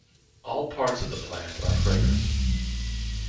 All parts of the plants are fragrant.